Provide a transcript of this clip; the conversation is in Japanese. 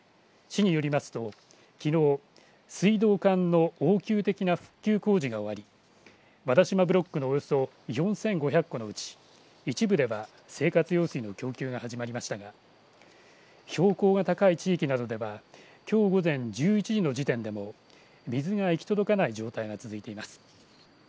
市によりますと、きのう水道管の応急的な復旧工事が終わり和田島ブロックのおよそ４５００戸のうち一部では生活用水の供給が始まりましたが標高が高い地域などではきょう午前１１時の時点でも水が行き届かない状態が続いています。